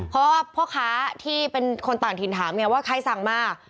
เพราะว่าพ่อค้าที่เป็นคนต่างถิ่นถามไงว่าใครสั่งมา